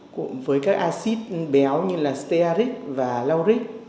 cùng với các acid béo như là stearic và lauric